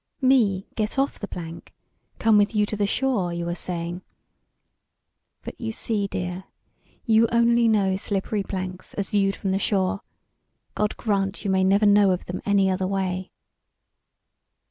Me get off the plank come with you to the shore you are saying? But you see, dear, you only know slippery planks as viewed from the shore God grant you may never know them any other way!